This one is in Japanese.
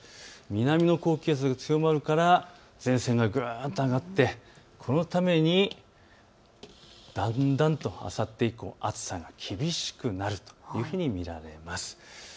南の高気圧が強まるから前線が上がってこのためだんだん、あさって以降、暑さが厳しくなるというふうに見られます。